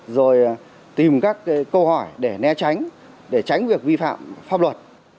rồi tìm các câu hỏi để né tránh để tránh việc vi phạm pháp luật